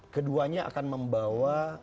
keduanya akan membawa